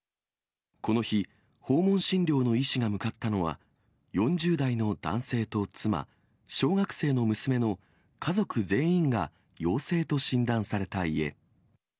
この日、訪問診療の医師が向かったのは、４０代の男性と妻、小学生の娘の家族全員が陽性と診断された家。